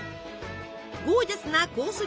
ゴージャスなコース